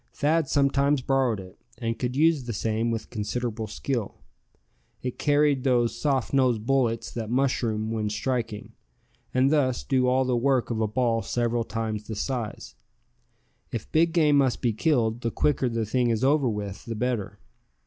Thad sometimes borrowed it, and could use the same with considerable skill. It carried those soft nosed bullets that mushroom when striking, and thus do all the work of a ball several times the size. If big game must be killed, the quicker the thing is over with the better.